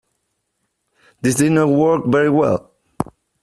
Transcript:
This did not work very well.